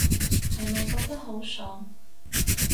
係咪覺得好爽